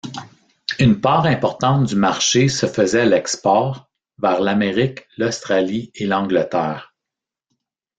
Une part importante du marché se faisait à l'export, vers l'Amérique, l'Australie et l'Angleterre.